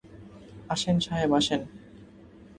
আসেন সাহেব আসেন!